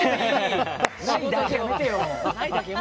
内だけ、やめてよ！